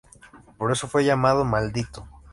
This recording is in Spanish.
Por eso fue llamado Maldito.